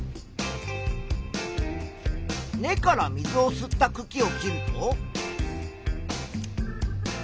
根から水を吸ったくきを切ると。